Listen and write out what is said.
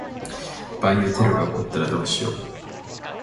バイオテロが起こったらどうしよう。